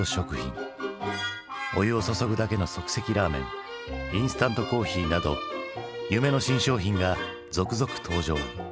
お湯を注ぐだけの即席ラーメンインスタントコーヒーなど夢の新商品が続々登場。